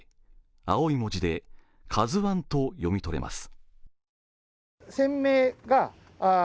青い文字で「ＫＡＺＵⅠ」と読み取れます。